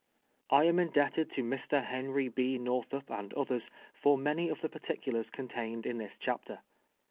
I AM indebted to Mr. Ileniy B. JSTortlnip and oth ers for many of tlie particulars contained in this chapter.